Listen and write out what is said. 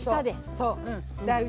そう。